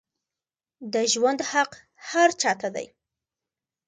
د ژوند حق هر چا ته دی